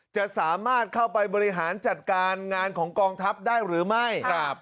จะสามารถเข้าไปบริหารจัดการงานของกองทัพได้หรือไม่